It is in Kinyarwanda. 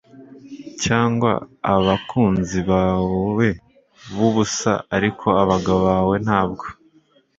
Cyangwa abakunzi bawe bubusa ariko abagabo bawe ntabwo